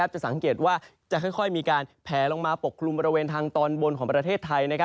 จะสังเกตว่าจะค่อยมีการแผลลงมาปกคลุมบริเวณทางตอนบนของประเทศไทย